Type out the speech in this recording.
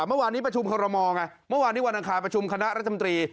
เมื่อวานนี้ประชุมคเรามอเงอะเมื่อวานนี้วันค้าประชุมครรัฐจ้ามตรี